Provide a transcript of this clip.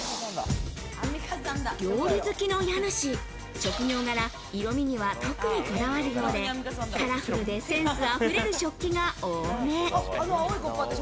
料理好きの家主、職業柄、色味には特にこだわるようで、カラフルでセンスあふれる食器が多い。